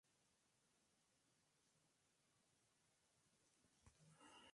Los tres cruceros necesitaron extensas reparaciones que tomaron largo tiempo.